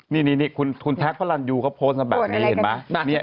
นี่คุณแท็กพระรันยูเขาโพสต์มาแบบนี้เห็นไหม